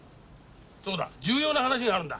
そうだ重要な話があるんだ